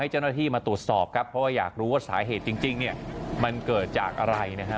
เพราะว่าอยากรู้ว่าสาเหตุจริงมันเกิดจากอะไรนะครับ